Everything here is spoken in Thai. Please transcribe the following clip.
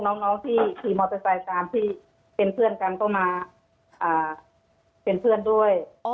น้องที่ขี่มอเตอร์ไซค์ตามที่เป็นเพื่อนกันก็มาเป็นเพื่อนด้วย